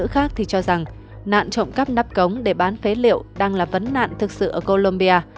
khác thì cho rằng nạn trộm cắp nắp cống để bán phế liệu đang là vấn nạn thực sự ở colombia